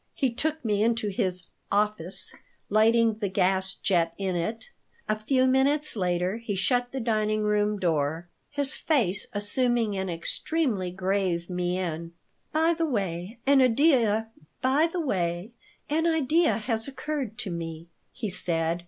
He took me into his "office," lighting the gas jet in it. A few minutes later he shut the dining room door, his face assuming an extremely grave mien "By the way, an idea has occurred to me," he said.